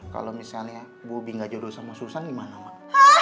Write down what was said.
kalau misalnya bobi gak jodoh sama susan gimana mak